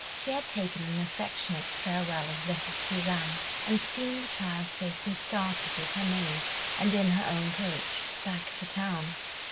She had taken an affectionate farewell of little Suzanne, and seen the child safely started with her maid, and in her own coach, back to town.